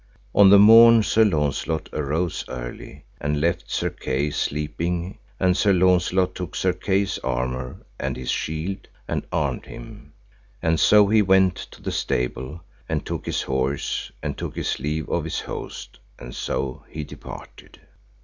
On the morn Sir Launcelot arose early, and left Sir Kay sleeping, and Sir Launcelot took Sir Kay's armour and his shield, and armed him, and so he went to the stable, and took his horse, and took his leave of his host, and so he departed.